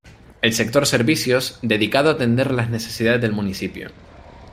El sector servicios, dedicado atender la necesidades del municipio.